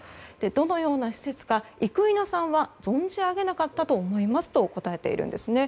どのような施設か生稲さんは存じ上げなかったと思いますと答えているんですね。